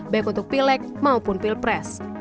termasuk pilek maupun pilpres